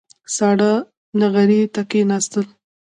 ساړه نغري ته کېناستل.